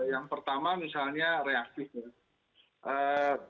yang pertama misalnya reaktif